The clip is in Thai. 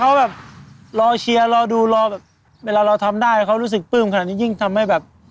ตอนนั้นดีใจมากขนาดไหนครับ